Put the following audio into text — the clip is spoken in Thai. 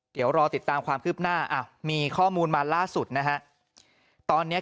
เดี๋ยวรอติดตามความคืบหน้ามีข้อมูลมาล่าสุดนะฮะตอนเนี้ย